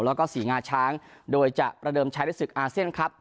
แล้วก็ศรีงาช้างโดยจะประเดิมใช้ในศึกอาเซียนครับ